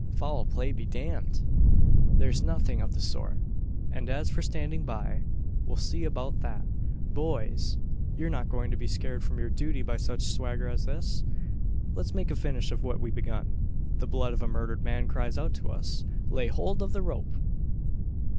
"Foul play be damned! There's nothing of the sort. And as for standing by, we'll see about that. Boys! you're not going to be scared from your duty by such swagger as this? Let's make a finish of what we've begun. The blood of a murdered man cries out to us. Lay hold of the rope!"